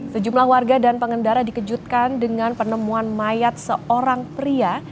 sejumlah warga dan pengendara dikejutkan dengan penemuan mayat seorang pria